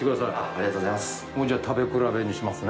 ありがとうございます。